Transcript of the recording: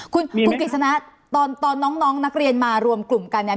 คุณกฤษณะตอนน้องนักเรียนมารวมกลุ่มกันเนี่ย